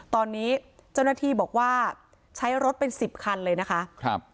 ตอนนี้เจ้าหน้าที่บอกว่าใช้รถเป็นสิบคันเลยนะคะครับ